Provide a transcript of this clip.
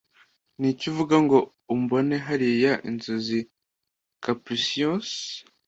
niki uvuga ngo umbone hariya inzozi, capricious